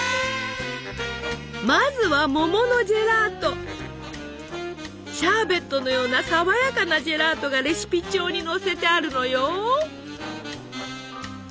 まずはシャーベットのようなさわやかなジェラートがレシピ帳に載せてあるのよ。